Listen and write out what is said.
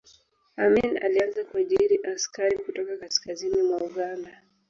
amin alianza kuajiri askari kutoka kaskazini mwa uganda